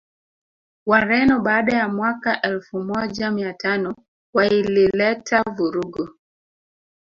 Wareno baada ya mwaka Elfu moja miatano wailileta vurugu